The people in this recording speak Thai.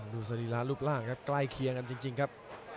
ดูศรีร้านลูกร่างก็ใกล้เคียงกันจริงครับ